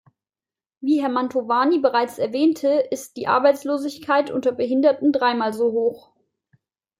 Wie Herr Mantovani bereits erwähnte, ist die Arbeitslosigkeit unter Behinderten dreimal so hoch.